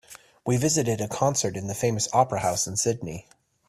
We visited a concert in the famous opera house in Sydney.